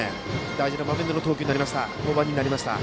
大事な場面での登板になりました。